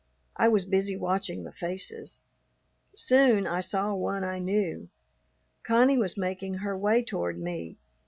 I was busy watching the faces. Soon I saw one I knew. Connie was making her way toward me.